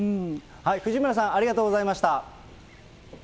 藤村さん、ありがとうございました。